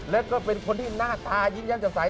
และก็เป็นคนที่หน้าตายิ้มยั่งจังสัย